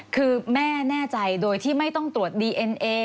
คือแม่แน่ใจโดยที่ไม่ต้องตรวจดีเอ็นเอ